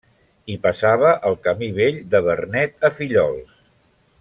Hi passava el Camí Vell de Vernet a Fillols.